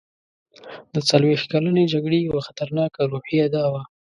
د څلوېښت کلنې جګړې یوه خطرناکه روحیه دا وه.